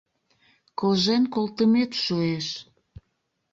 Кожен колтымет шуэш.